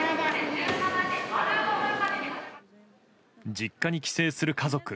実家に帰省する家族。